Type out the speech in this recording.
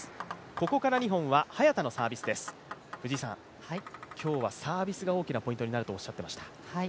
ここから２本は早田のサービスです今日はサービスが大きなポイントになるとおっしゃっていました。